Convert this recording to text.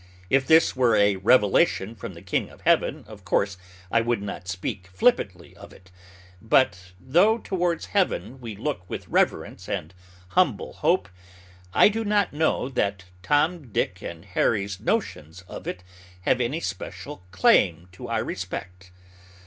(If that were a revelation from the King of Heaven, of course I would not speak flippantly of it; but though towards Heaven we look with reverence and humble hope, I do not know that Tom, Dick and Harry's notions of it have any special claim to our respect.)